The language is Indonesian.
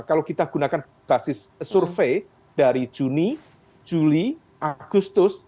kalau kita gunakan basis survei dari juni juli agustus